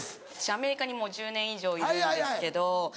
アメリカにもう１０年以上いるんですけど。